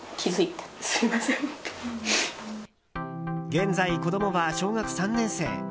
現在、子供は小学３年生。